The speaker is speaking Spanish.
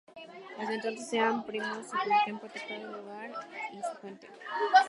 Desde entonces san Primo se ha convertido en protector del lugar y su gente.